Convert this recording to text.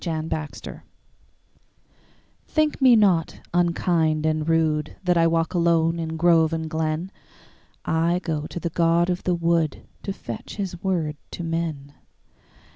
The Apology THINK me not unkind and rudeThat I walk alone in grove and glen;I go to the god of the woodTo fetch his word to men.